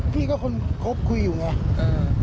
พี่ก็คนคบคุยอยู่ไง